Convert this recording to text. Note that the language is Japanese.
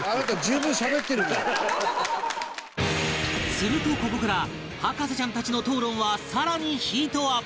するとここから博士ちゃんたちの討論は更にヒートアップ！